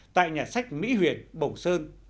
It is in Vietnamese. tại nhà sách mỹ huyền bổng sơn